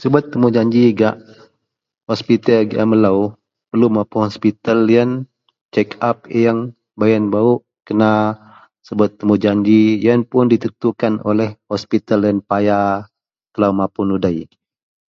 Subet temujanji gak hospital gian melou perlu mapun hospital yen. Check up ieng, baih yen baruk kena subet temujanji, yen puun ditentukan oleh hospital yen paya telou mapun udei.